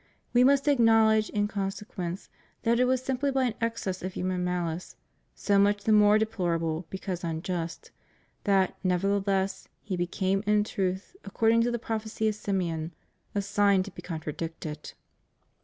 We must acknowledge, in consequence, that it was simply by an excess of human malice, so much the more deplorable because unjust, that, nevertheless. He became, in truth, according to the prophecy of Simeon, "a sign to be contradicted."